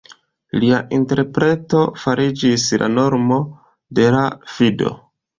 Lia interpreto fariĝis la normo de la fido.